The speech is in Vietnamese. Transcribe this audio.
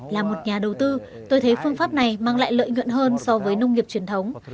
là một nhà đầu tư tôi thấy phương pháp này mang lại lợi nhuận hơn so với nông nghiệp truyền thống